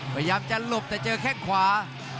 พยายามจะหลบแต่เจอแข้งขวา